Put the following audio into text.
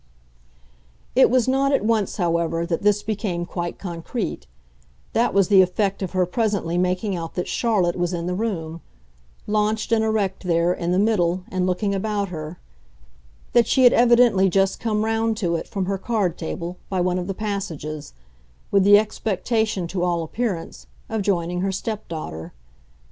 It was not at once, however, that this became quite concrete; that was the effect of her presently making out that Charlotte was in the room, launched and erect there, in the middle, and looking about her; that she had evidently just come round to it, from her card table, by one of the passages with the expectation, to all appearance, of joining her stepdaughter.